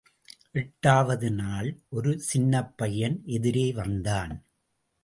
எட்டாவது நாள், ஒரு சின்னப்பையன் எதிரே வந்தான்.